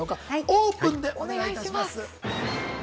オープンでお願いします。